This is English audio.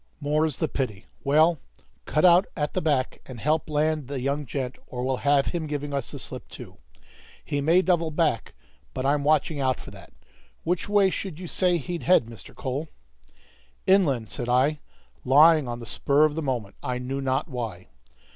"More's the pity. Well, cut out at the back and help land the young gent, or we'll have him giving us the slip too. He may double back, but I'm watching out for that. Which way should you say he'd head, Mr. Cole?" "Inland," said I, lying on the spur of the moment, I knew not why.